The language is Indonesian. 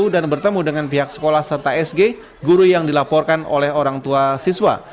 dan bertemu dengan pihak sekolah serta sg guru yang dilaporkan oleh orang tua siswa